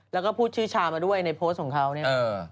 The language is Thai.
แล้วก็พูดชื่อชามาด้วยในโพสต์ของเขาเนี่ย